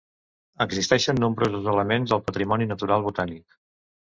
Existeixen nombrosos elements del patrimoni natural botànic.